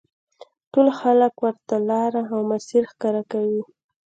ټول خلک ورته لاره او مسیر ښکاره کوي.